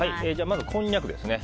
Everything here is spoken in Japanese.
まず、こんにゃくですね。